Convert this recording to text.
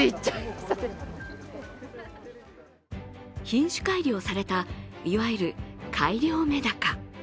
品種改良された、いわゆる改良メダカ。